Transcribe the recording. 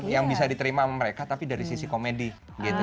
yang bisa diterima mereka tapi dari sisi komedik gitu